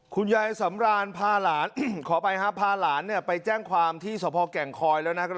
คุณยายสำรานพาหลานขออภัยครับพาหลานไปแจ้งความที่สพแก่งคอยแล้วนะครับ